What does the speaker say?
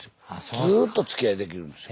ずっとつきあいできるんですよ。